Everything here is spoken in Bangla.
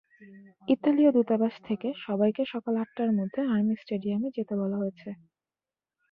ইতালীয় দূতাবাস থেকে সবাইকে সকাল আটটার মধ্যে আর্মি স্টেডিয়ামে যেতে বলা হয়েছে।